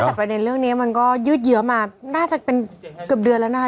แต่ประเด็นเรื่องนี้มันก็ยืดเยอะมาน่าจะเป็นเกือบเดือนแล้วนะคะ